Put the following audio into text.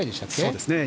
そうですね。